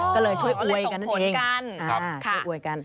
ก็เลยช่วยอวยกันนั่นเองค่ะช่วยอวยกันอ๋ออ๋อเลยส่งผลกัน